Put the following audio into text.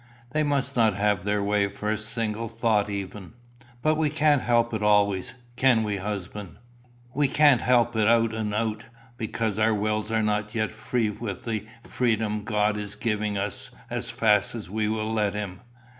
They must not have their way for a single thought even." "But we can't help it always, can we, husband?" "We can't help it out and out, because our wills are not yet free with the freedom God is giving us as fast as we will let him.